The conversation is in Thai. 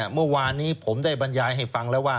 เมื่อวานนี้ผมได้บรรยายให้ฟังแล้วว่า